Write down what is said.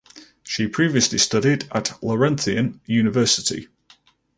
She previously studied at Laurentian University.